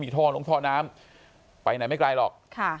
ท่อลงท่อน้ำไปไหนไม่ไกลหรอก